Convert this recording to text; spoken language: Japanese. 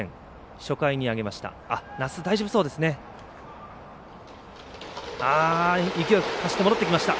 初回に挙げました。